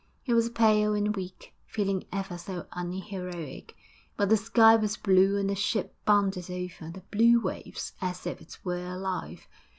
He was pale and weak, feeling ever so unheroic, but the sky was blue and the ship bounded over the blue waves as if it were alive.